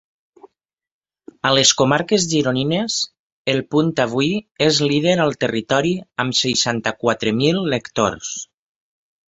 A les comarques gironines, El Punt Avui és líder al territori amb seixanta-quatre mil lectors.